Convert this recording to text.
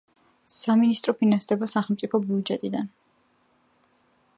სამინისტრო ფინანსდება სახელმწიფო ბიუჯეტიდან.